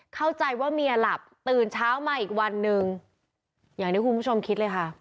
เข้าใจว่าเมียหลับตื่นเช้ามาอีกวันหนึ่งอย่างที่คุณผู้ชมคิดเลยค่ะ